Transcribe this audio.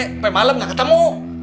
sampai malem nggak ketemu